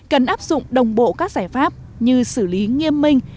cần áp dụng đồng bộ các giải pháp như xử lý nghiêm minh